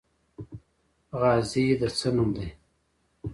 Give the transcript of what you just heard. غازی د څه نوم دی؟